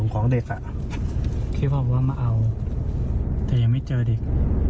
ของเด็กคิดว่ามาเอาแต่ยังไม่เจอเด็ก